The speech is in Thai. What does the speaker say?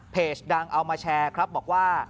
ดังเอามาแชร์ครับบอกว่า